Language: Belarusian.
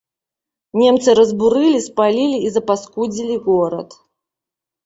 Немцы разбурылі, спалілі і запаскудзілі горад.